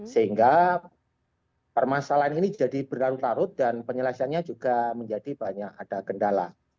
sehingga permasalahan ini jadi berlarut larut dan penyelesaiannya juga menjadi banyak ada kendala